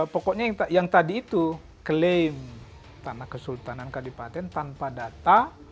pokoknya yang tadi itu klaim tanah kesultanan kabupaten tanpa data